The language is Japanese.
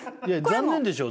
残念でしょ。